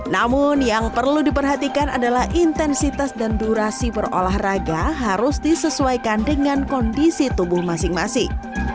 namun yang perlu diperhatikan adalah intensitas dan durasi berolahraga harus disesuaikan dengan kondisi tubuh masing masing